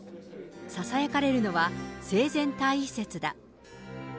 ささやかれるのは、生前退位説だ。